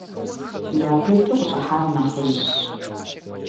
Япэ иту къыщӏыхьар нэхъыжьщ.